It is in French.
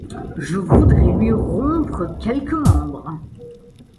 Je voudrais lui rompre quelque membre !